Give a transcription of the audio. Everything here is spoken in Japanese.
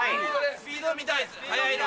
スピード見たい速いの。